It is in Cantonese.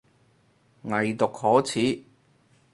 偽毒可恥